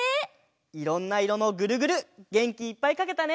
いろんないろのグルグルげんきいっぱいかけたね。